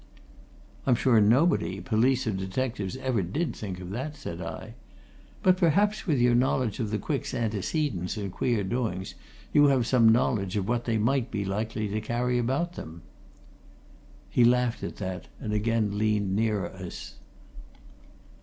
"I'm sure nobody police or detectives ever did think of that," said I. "But perhaps with your knowledge of the Quicks' antecedents and queer doings, you have some knowledge of what they might be likely to carry about them?" He laughed at that, and again leaned nearer to us.